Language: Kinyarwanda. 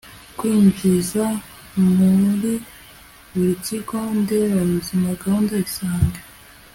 kwinjiza muri buri kigo nderabuzima gahunda isange